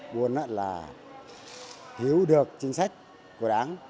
buôn là hiểu được chính sách của đảng